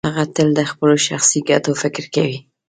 هغه تل د خپلو شخصي ګټو فکر کوي.